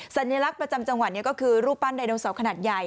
สัญลักษณ์ประจำจังหวัดนี้ก็คือรูปปั้นไดโนเสาร์ขนาดใหญ่